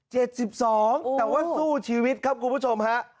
แต่ว่าสู้ชีวิตครับคุณผู้ชมฮะ